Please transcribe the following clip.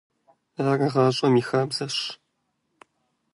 Ар гъащӏэм и хабзэщ.